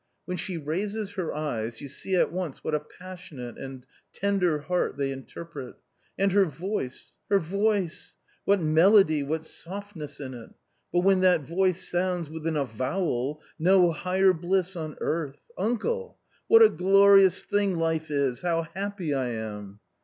" When she raises her eyes, you see at once what a pas sionate and tender heart they interpret. And her voice, her voice ! what melody, what softness in it ! but when that voice sounds with an avowal .... no higher bliss on earth ! Uncle ! what a glorious thing life is ! how happy I am."